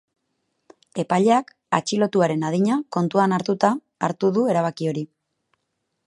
Epaileak atxilotuaren adina kontuan hartuta hartu du erabaki hori.